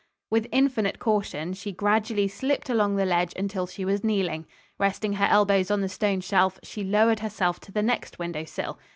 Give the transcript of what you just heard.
With infinite caution, she gradually slipped along the ledge until she was kneeling. Resting her elbows on the stone shelf, she lowered herself to the next window sill.